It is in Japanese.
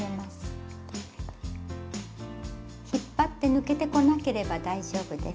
引っ張って抜けてこなければ大丈夫です。